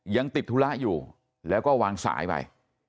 ยังติดธุระอยู่แล้วก็วางสายไป